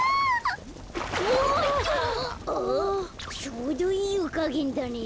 ちょうどいいゆかげんだね。